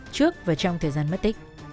trước và trong thời gian mất tích